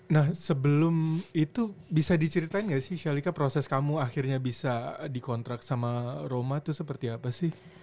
nah sebelum itu bisa diceritain gak sih shalika proses kamu akhirnya bisa dikontrak sama roma itu seperti apa sih